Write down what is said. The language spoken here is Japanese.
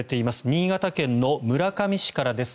新潟県の村上市からです。